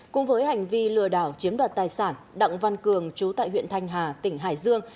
cùng với hành vi lừa đảo chiếm đoạt tài sản đặng văn cường chú tại huyện thanh hà tỉnh hải dương